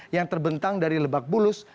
yang terbentang dari lebak bulus